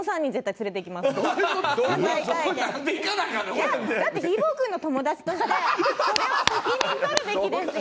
いやだってひーぼぉくんの友達としてそれは責任取るべきですよ